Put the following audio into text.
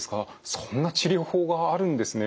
そんな治療法があるんですね。